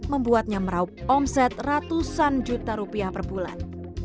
membuatnya meraup omset ratusan juta rupiah per bulan